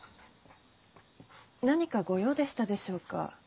何かご用でしたでしょうか？